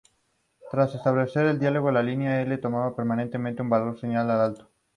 Los tiburones más grandes son los que consumen más peces.